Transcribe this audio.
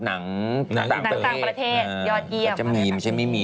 นางต่างประเทศยอดเยี่ยม